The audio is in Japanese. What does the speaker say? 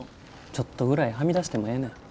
ちょっとぐらいはみ出してもええねん。